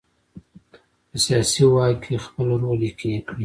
په سیاسي واک کې خپل رول یقیني کړي.